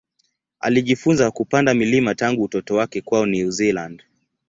Alijifunza kupanda milima tangu utoto wake kwao New Zealand.